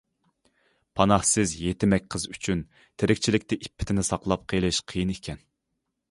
پاناھسىز يېتىمەك قىز ئۈچۈن تىرىكچىلىكتە ئىپپىتىنى ساقلاپ قېلىش قىيىن ئىكەن.